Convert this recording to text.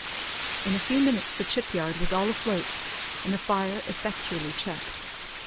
In a few minutes the chip yard was all afloat, and the fire effectually checked.